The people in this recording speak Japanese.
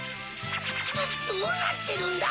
どうなってるんだ？